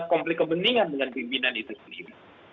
konflik kepentingan dengan pimpinan itu sendiri